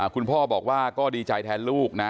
คุณพ่อบอกว่าก็ดีใจแทนลูกนะ